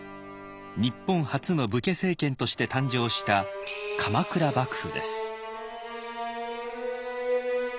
日本初の武家政権として誕生した鎌倉幕府です。